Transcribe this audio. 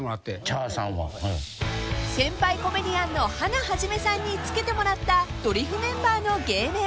［先輩コメディアンのハナ肇さんに付けてもらったドリフメンバーの芸名］